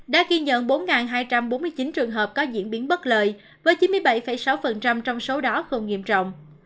đã ghi nhận bốn hai trăm bốn mươi chín trường hợp có diễn biến bất lợi với chín mươi bảy sáu trong số đó không nghiêm trọng